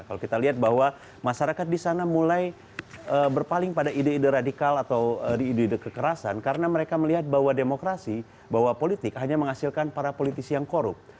kalau kita lihat bahwa masyarakat di sana mulai berpaling pada ide ide radikal atau ide ide kekerasan karena mereka melihat bahwa demokrasi bahwa politik hanya menghasilkan para politisi yang korup